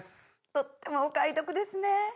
とってもお買い得ですね